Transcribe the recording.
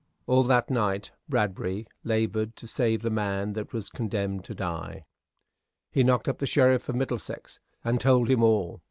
All that night Bradbury labored to save the man that was condemned to die. He knocked up the sheriff of Middlesex, and told him all.